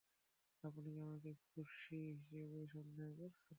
আপনি কি আমাকে খুনি হিসেবে সন্দেহ করছেন?